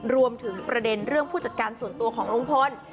รวมถึงประเด็นเรื่องผู้จัดการส่วนตัวของลุงพล